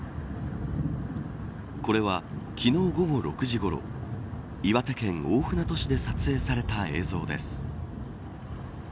これは、昨日午後６時ごろ岩手県大船渡市で撮影された映像です。